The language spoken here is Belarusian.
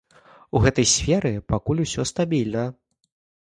І ў гэтай сферы пакуль усё стабільна.